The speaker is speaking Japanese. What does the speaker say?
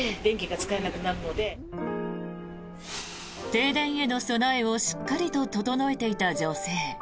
停電への備えをしっかりと整えていた女性。